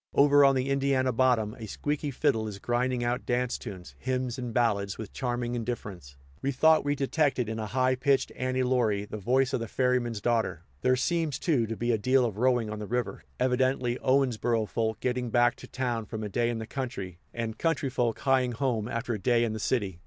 Over on the Indiana bottom, a squeaky fiddle is grinding out dance tunes, hymns and ballads with charming indifference. We thought we detected in a high pitched "Annie Laurie" the voice of the ferryman's daughter. There seems, too, to be a deal of rowing on the river, evidently Owensboro folk getting back to town from a day in the country, and country folk hieing home after a day in the city.